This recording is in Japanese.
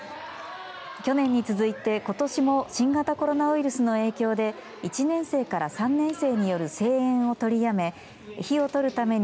去年に続いて、ことしも新型コロナウイルスの影響で１年生から３年生による声援を取りやめ火を取るために